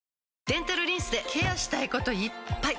デンタルリンスでケアしたいこといっぱい！